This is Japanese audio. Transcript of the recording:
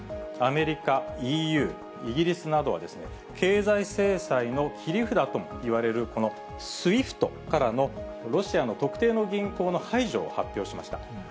アメリカ、ＥＵ、イギリスなどは、経済制裁の切り札ともいわれる、このＳＷＩＦＴからのロシアの特定の銀行の排除を発表しました。